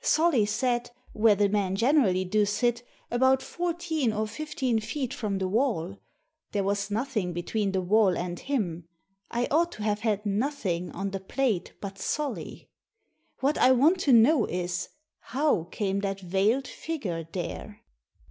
Solly sat, where the men generally do sit, about fourteen or fifteen feet from the wall. There was nothing between the wall and him. I ought to have had nothing on the plate but Solly. What I want to know is, how came that veiled figure there?"